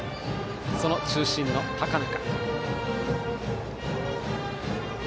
その中心の高中。